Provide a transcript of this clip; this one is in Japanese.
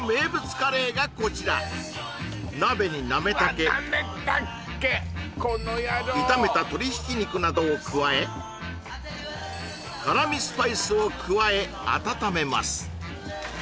カレーがこちら鍋になめ茸炒めた鶏ひき肉などを加え辛味スパイスを加え温めます